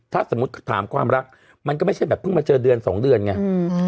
ถ้าสมมุติถามความรักมันก็ไม่ใช่แบบเพิ่งมาเจอเดือนสองเดือนไง